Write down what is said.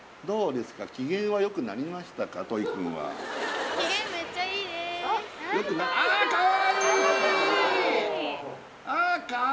どうですか？